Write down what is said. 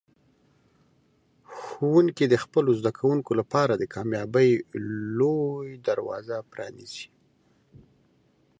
ښوونکي د خپلو زده کوونکو لپاره د کامیابۍ لوی دروازه پرانیزي.